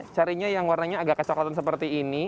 carinya yang warnanya agak kecoklatan seperti ini